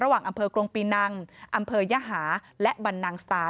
ระหว่างอำเภอกรงปินังอำเภายาหาและบันนังสต๊า